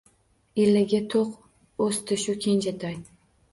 Iligi to`q o`sdi shu kenjatoy